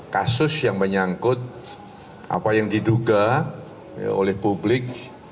kasus yang menyangkut apa yang diduga oleh publik